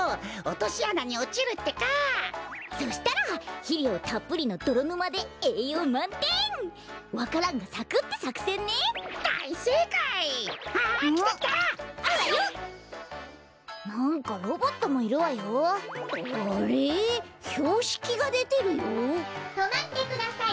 とまってください。